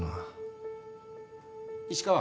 石川。